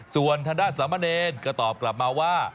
ส่วนทางด้านสามเณรก็ตอบกลับมาว่า